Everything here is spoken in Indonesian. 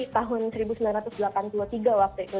tahun seribu sembilan ratus delapan puluh tiga waktu itu